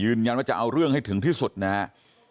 ยืนยันว่าจะเอาเรื่องให้ถึงที่สุดนะครับ